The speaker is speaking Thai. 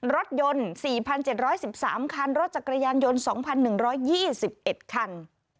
รถยนต์๔๗๑๓คันรถจักรยานยนต์๒๑๒๑คัน